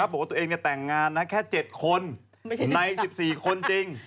บอกว่าตัวเองแต่งงานแค่๗คนใน๑๔คนจริง